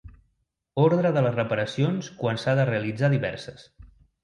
Ordre de les reparacions quan s'ha de realitzar diverses.